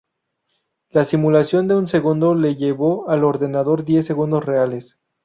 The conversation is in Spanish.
La simulación de un segundo le llevó al ordenador diez segundos reales.